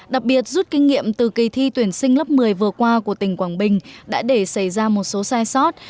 đặc biệt rút kinh nghiệm từ kỳ thi tuyển sinh lớp một mươi vừa qua của tỉnh quảng bình đã để xảy ra một số sai sót